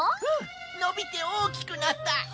うんのびておおきくなった！